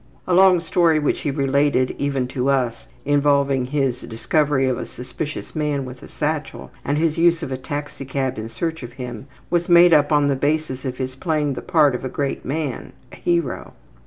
A long story which he related even to us, involving his discovery of a suspicious man with a satchel and his use of a taxicab in search for him, was made up on the basis of his playing the part of a great man, a hero.